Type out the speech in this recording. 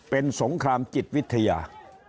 เป็นสงครามจิตวิทยา